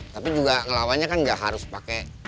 tapi juga ngelawannya kan gak harus pakai